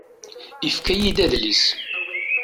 Ifka-yi-d adlis.